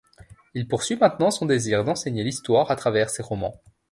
Il poursuit maintenant son désir d'enseigner l'histoire à travers ses romans.